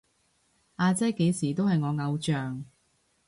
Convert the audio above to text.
阿姐幾時都係我偶像